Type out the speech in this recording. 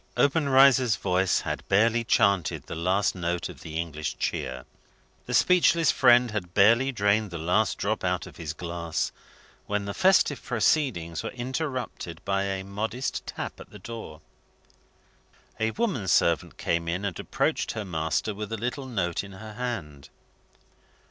Obenreizer's voice had barely chanted the last note of the English cheer, the speechless friend had barely drained the last drop out of his glass, when the festive proceedings were interrupted by a modest tap at the door. A woman servant came in, and approached her master with a little note in her hand.